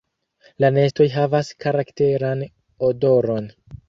La nestoj havas karakteran odoron.